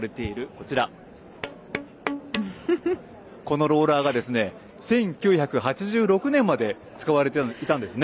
こちらが１９８６年まで使われていたんです。